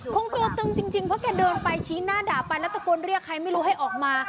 กลัวตึงจริงเพราะแกเดินไปชี้หน้าด่าไปแล้วตะโกนเรียกใครไม่รู้ให้ออกมา